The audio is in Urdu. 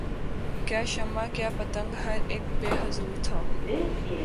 کیا شمع کیا پتنگ ہر اک بے حضور تھا